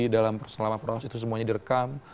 dalam selama proses itu semuanya direkam